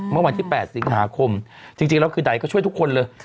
เมื่อวันที่๘สิงหาคมจริงแล้วคือไหนก็ช่วยทุกคนเลย